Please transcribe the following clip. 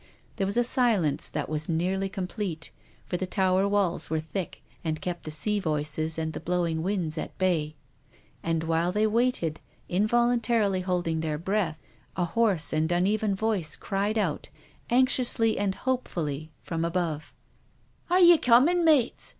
There was a silence that was nearly complete, for the tower walls were thick, and kept the sea voices and the blowing winds at bay. And while they waited, involuntarily holding their breath, a hoarse and uneven voice cried out, anxiously and hopefully from above :" Are ye comin*, mates?